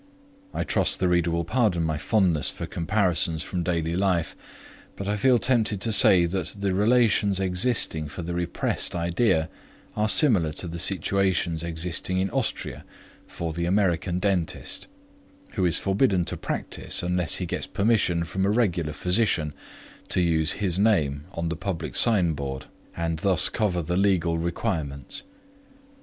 I trust the reader will pardon my fondness for comparisons from daily life, but I feel tempted to say that the relations existing for the repressed idea are similar to the situations existing in Austria for the American dentist, who is forbidden to practise unless he gets permission from a regular physician to use his name on the public signboard and thus cover the legal requirements.